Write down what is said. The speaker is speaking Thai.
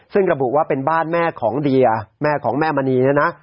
ซึ่งระบุว่าเป็นบ้านแม่ของเดียแม่ของแม่มณีเนี่ยนะ